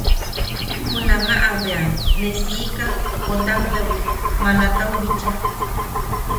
Junamaʼa bea ne siika Potammewi malatau bicha.